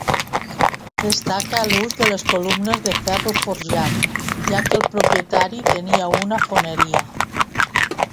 Destaca l'ús de les columnes de ferro forjat, ja que el propietari tenia una foneria.